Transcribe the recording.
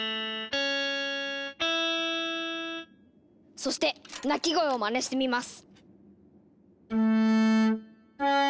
そして鳴き声をまねしてみます！